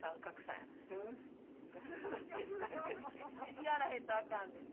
いはらへんとあかんねん。